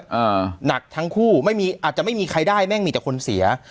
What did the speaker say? หนักทั้งคู่ไม่มีอาจจะไม่มีใครได้แม่งมีแต่คนเสีย